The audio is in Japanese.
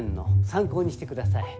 参考にしてください。